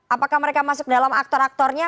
apakah mereka masuk dalam aktor aktornya